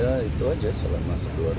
ya itu aja selama dua ribu satu dua ribu empat